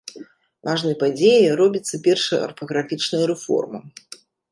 Важнай падзеяй робіцца першая арфаграфічная рэформа.